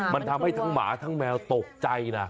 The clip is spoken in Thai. มันทำให้ทั้งหมาทั้งแมวตกใจนะ